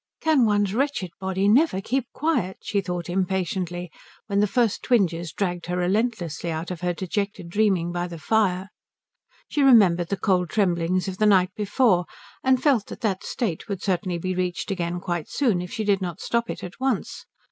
"Can one's wretched body never keep quiet?" she thought impatiently, when the first twinges dragged her relentlessly out of her dejected dreaming by the fire. She remembered the cold tremblings of the night before, and felt that that state would certainly be reached again quite soon if she did not stop it at once.